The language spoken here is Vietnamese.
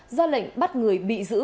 gia lệnh bắt người bị giữ